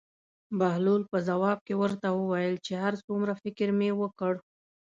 بهلول په ځواب کې ورته وویل چې هر څومره فکر مې وکړ.